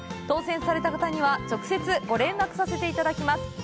当せんされた方には直接ご連絡させていただきます。